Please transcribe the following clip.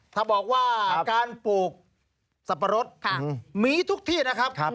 ถ้าบอกว่าการปลูกสับปะรดมีทุกที่นะครับ